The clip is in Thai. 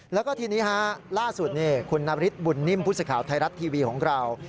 แล้วก็ทีนี้ฮะล่าสุดคุณนามฤทธิ์บุญนิมพุทธศิษยาวไทยรัฐทีวีของเรา